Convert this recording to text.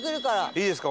いいですか？